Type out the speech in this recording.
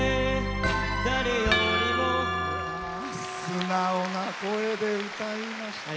素直な声で歌いました。